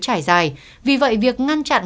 trải dài vì vậy việc ngăn chặn